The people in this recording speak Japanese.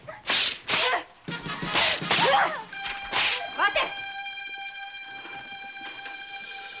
待て！